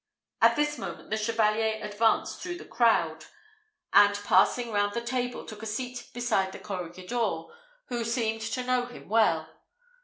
At this moment the Chevalier advanced through the crowd, and passing round the table, took a seat beside the corregidor, who seemed to know him well.